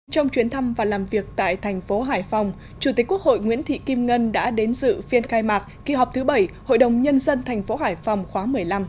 trong chuyến thăm và làm việc tại thành phố hải phòng chủ tịch quốc hội nguyễn thị kim ngân đã đến dự phiên khai mạc kỳ họp thứ bảy hội đồng nhân dân thành phố hải phòng khóa một mươi năm